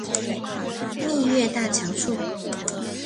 蜜月大桥处。